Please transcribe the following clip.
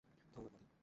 ধন্যবাদ, মাধি।